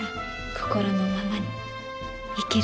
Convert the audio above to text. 心のままに生きること。